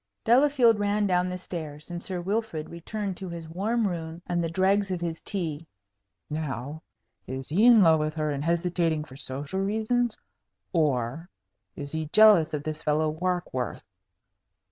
Delafield ran down the stairs, and Sir Wilfrid returned to his warm room and the dregs of his tea. "Now is he in love with her, and hesitating for social reasons? Or is he jealous of this fellow Warkworth?